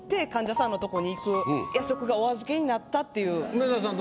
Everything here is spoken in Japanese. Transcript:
梅沢さん